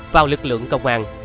vào lực lượng công an